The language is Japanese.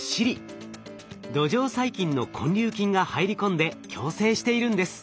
土壌細菌の根粒菌が入り込んで共生しているんです。